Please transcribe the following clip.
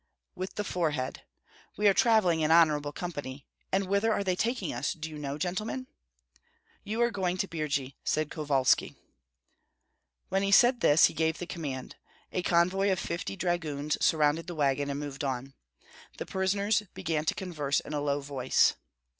"With the forehead! We are travelling in honorable company. And whither are they taking us, do you know, gentlemen?" "You are going to Birji," said Kovalski. When he said this, he gave the command. A convoy of fifty dragoons surrounded the wagon and moved on. The prisoners began to converse in a low voice.